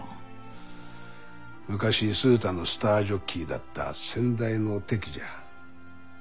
昔鈴田のスタージョッキーだった先代のテキじゃ。